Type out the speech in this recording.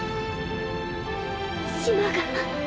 島が。